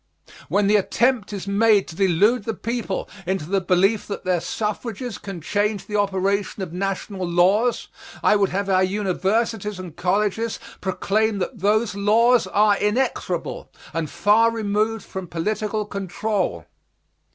When the attempt is made to delude the people into the belief that their suffrages can change the operation of national laws, I would have our universities and colleges proclaim that those laws are inexorable and far removed from political control.